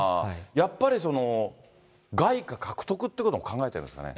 やっぱり外貨獲得ってことも考えてるんですかね。